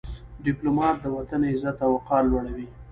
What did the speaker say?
ډيپلومات د وطن عزت او وقار لوړوي.